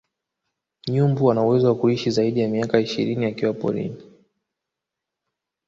Nyumbu anauwezo wa kuishi zaidi ya miaka ishirini akiwa porini